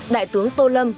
đại tướng tô lâm